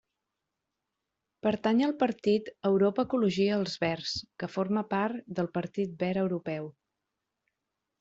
Pertany al partit Europa Ecologia-Els Verds, que forma part del Partit Verd Europeu.